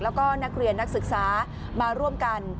แล้วก็นักเรียนนักศึกษามาร่วมกัน